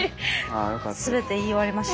全て言い終わりました。